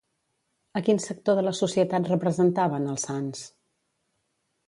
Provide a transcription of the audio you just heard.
A quin sector de la societat representaven, els sants?